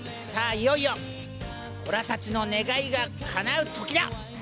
いよいよオラたちの願いがかなう時だ！